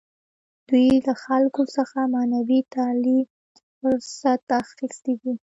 دوی له خلکو څخه معنوي تعالي فرصت اخیستی دی.